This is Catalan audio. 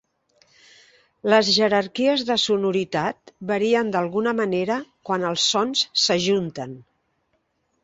Les jerarquies de sonoritat varien d"alguna manera, quan els sons s"ajunten.